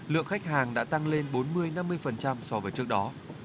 lượng khách hàng đã tăng lên bốn mươi năm mươi so với trước đó